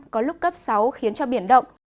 có lúc cấp sáu khiến cho biển động